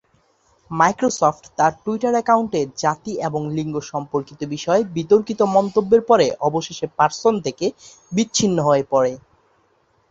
Microsoft তার Twitter অ্যাকাউন্টে জাতি এবং লিঙ্গ সম্পর্কিত বিষয়ে বিতর্কিত মন্তব্যের পরে অবশেষে পারসন থেকে বিচ্ছিন্ন হয়ে পড়ে।